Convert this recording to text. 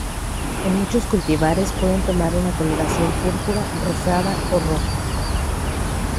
En muchos cultivares pueden tomar una coloración púrpura, rosada o roja.